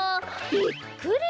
びっくり！